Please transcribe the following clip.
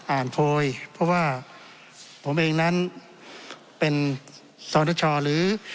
โพยเพราะว่าผมเองนั้นเป็นสรณชอหรือ